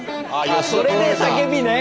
それで叫びね。